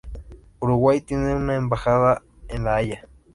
Uruguay tiene una embajada en La Haya.